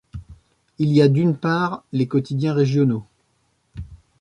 Il y a d'une part les quotidiens régionaux.